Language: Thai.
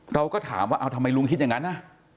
เราก็ถามว่าเอาทำไมลุงคิดอย่างนั้นนะ